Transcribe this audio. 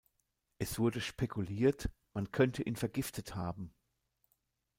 Es wurde spekuliert, man könnte ihn vergiftet haben.